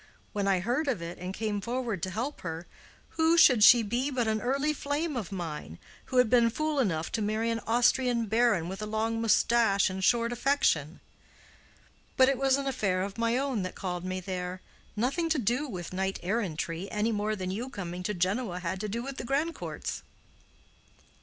When I heard of it, and came forward to help her, who should she be but an early flame of mine, who had been fool enough to marry an Austrian baron with a long mustache and short affection? But it was an affair of my own that called me there—nothing to do with knight errantry, any more than you coming to Genoa had to do with the Grandcourts."